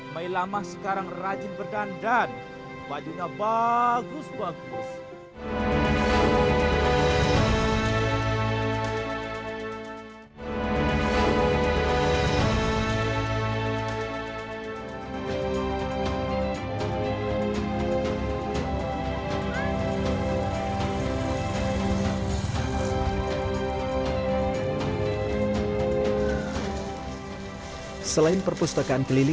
mai lama saya saya ingin menikmati rumah ini